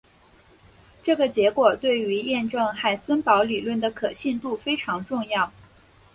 这个结果对于验证海森堡理论的可信度非常重要。